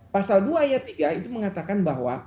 pasal dua ayat tiga itu mengatakan bahwa